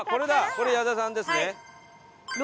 これ矢田さんですね。